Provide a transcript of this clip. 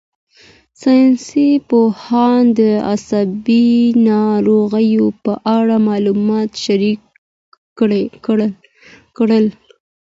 ساینسپوهان د عصبي ناروغیو په اړه معلومات شریک کړل.